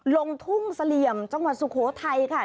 ลงทุ่งเสลี่ยมจังหวัดสุโขทัยค่ะ